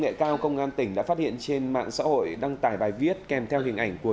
nghệ cao công an tỉnh đã phát hiện trên mạng xã hội đăng tải bài viết kèm theo hình ảnh của